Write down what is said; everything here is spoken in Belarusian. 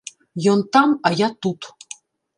Ён там, а я тут.